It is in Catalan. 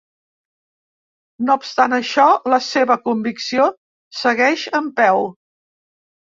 No obstant això, la seva convicció segueix en peu.